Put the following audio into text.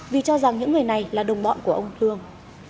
vì cho rằng những người này là đồng bọn của ông lương